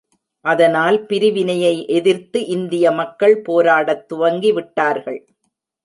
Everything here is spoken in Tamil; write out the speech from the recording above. அதனால், பிரிவினையை எதிர்த்து இந்திய மக்கள் போராடத் துவங்கிவிட்டார்கள்.